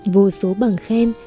vô số bằng khen